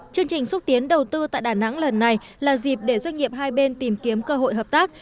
chương trình xúc tiến đầu tư tại đà nẵng lần này là dịp để doanh nghiệp hai bên tìm kiếm cơ hội hợp tác